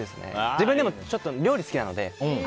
自分でも、料理好きなので。